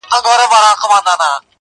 رنگ په رنگ خوږې میوې او خوراکونه!.